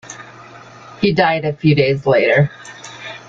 He died a few days later.